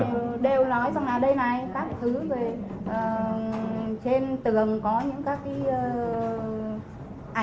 chị đều nói trong là đây này các thứ về trên tường có những các cái